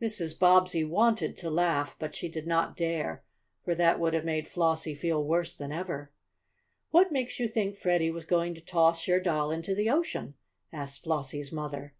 Mrs. Bobbsey wanted to laugh, but she did not dare, for that would have made Flossie feel worse than ever. "What makes you think Freddie was going to toss your doll into the ocean?" asked Flossie's mother.